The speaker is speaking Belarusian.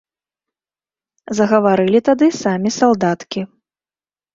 Загаварылі тады самі салдаткі.